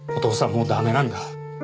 もう駄目なんだ。